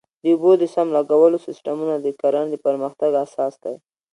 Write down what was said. د اوبو د سم لګولو سیستمونه د کرنې د پرمختګ اساس دی.